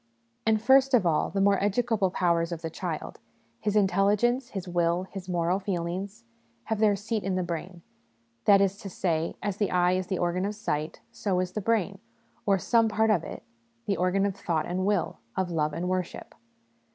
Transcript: And first of all, the more educable powers of the child his intelligence, his will, his moral feelings have their seat in the brain ; that is to say, as the eye is the organ of sight, so is the brain, or some part of it, the organ of thought and will, of love and worship.